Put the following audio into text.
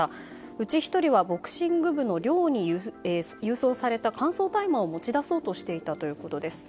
うち１人はボクシング部の寮に郵送された乾燥大麻を持ち出そうとしていたということです。